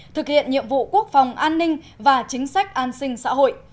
thực hiện nhiệm vụ quốc phòng an ninh và chính sách an sinh xã hội